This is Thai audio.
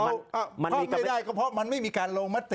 มันพูดไม่ได้ก็เพราะมันไม่มีการลงมติ